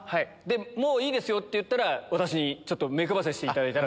もういいですよっていったら私に目配せしていただいたら。